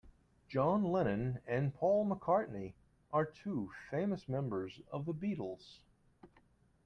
John Lennon and Paul McCartney are two famous members of the Beatles.